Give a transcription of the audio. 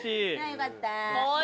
よかった。